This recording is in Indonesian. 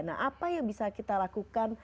nah apa yang bisa kita lakukan